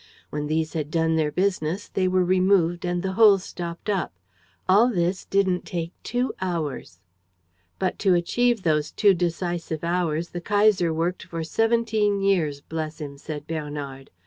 When these had done their business, they were removed and the holes stopped up. All this didn't take two hours." "But to achieve those two decisive hours the Kaiser worked for seventeen years, bless him!" said Bernard.